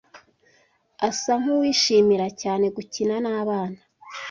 Asa nkuwishimira cyane gukina nabana.